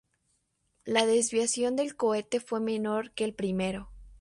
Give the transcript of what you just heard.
La desviación del cohete fue menor que el primero.